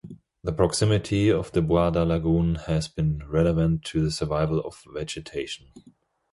The proximity of the Buada Lagoon has been relevant to the survival of vegetation.